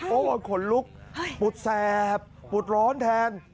โอ้โหขนลุกปวดแสบปวดร้อนแทน